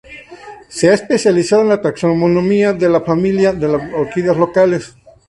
Se ha especializado en la taxonomía de la familia de las orquídeas locales.